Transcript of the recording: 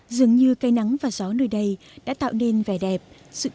dường như cây nắng và gió nơi đây đã tạo nên vẻ đẹp sự kiên cường và rắn ràng